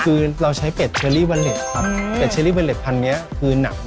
คือเราใช้เป็ดเชอรี่วันเล็ตครับเป็ดเชอรี่เวอเล็ตพันธุ์นี้คือหนัก